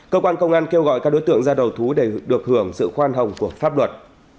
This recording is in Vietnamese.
cơ quan công an kêu gọi các đối tượng ra đầu thú để được hưởng sự khoan hồng của pháp luật